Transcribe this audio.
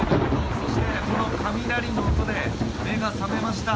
そして雷の音で目が覚めました。